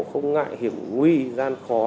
không ngại hiểm quy gian khó